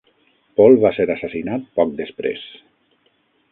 Paul va ser assassinat poc després.